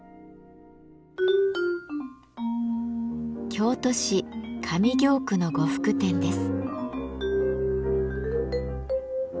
京都市上京区の呉服店です。